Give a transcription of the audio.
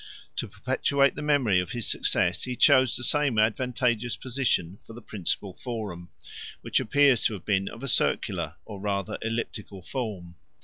To perpetuate the memory of his success, he chose the same advantageous position for the principal Forum; 44 which appears to have been of a circular, or rather elliptical form.